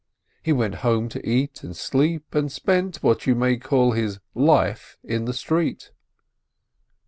He went home to eat and sleep, and spent what you may call his "life" in the street.